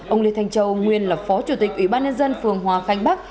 ông lê thanh châu nguyên là phó chủ tịch ủy ban nhân dân phường hòa khánh bắc